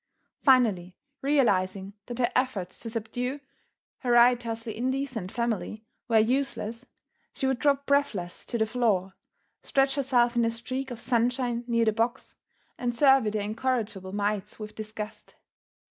Finally realizing that her efforts to subdue her riotously indecent family were useless, she would drop breathless to the floor, stretch herself in a streak of sunshine near the box, and survey the incorrigible mites with disgust.